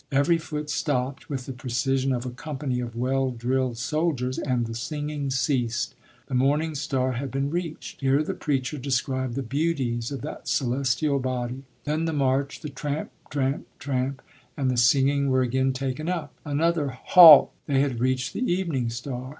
Every foot stopped with the precision of a company of well drilled soldiers, and the singing ceased. The morning star had been reached. Here the preacher described the beauties of that celestial body. Then the march, the tramp, tramp, tramp, and the singing were again taken up. Another "Halt!" They had reached the evening star.